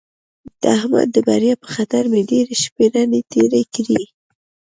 د احمد د بریا په خطر مې ډېرې شپې رڼې تېرې کړې.